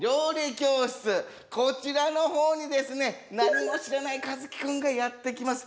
こちらの方にですね何も知らない一樹くんがやって来ます。